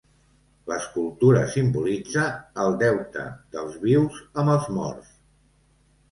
L'escultura simbolitza "el deute dels vius amb els morts".